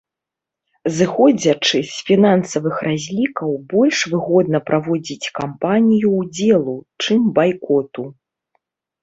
Зыходзячы з фінансавых разлікаў, больш выгодна праводзіць кампанію ўдзелу, чым байкоту.